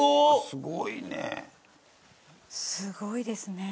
すごいですね。